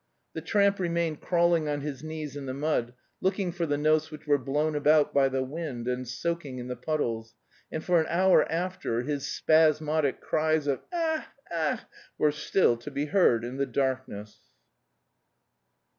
The tramp remained crawling on his knees in the mud, looking for the notes which were blown about by the wind and soaking in the puddles, and for an hour after his spasmodic cries of "Ech! ech!" were still to be heard in the darkness.